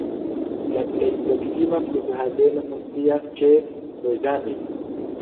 La plej proksima flughaveno funkcias ĉe Ozamiz.